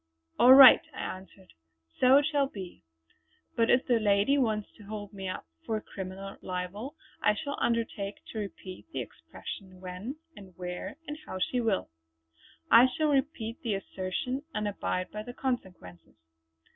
'" "All right" I answered "so it shall be. But if the lady wants to hold me up for criminal libel I shall undertake to repeat the expression when, and where, and how she will. I shall repeat the assertion and abide by the consequences."